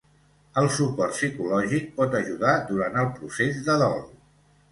El suport psicològic pot ajudar durant el procés de dol.